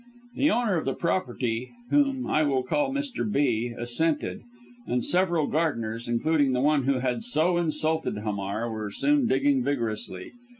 The owner of the property, whom I will call Mr. B. assented, and several gardeners, including the one who had so insulted Hamar, were soon digging vigorously.